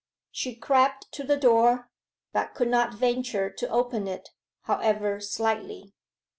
She crept to the door, but could not venture to open it, however slightly.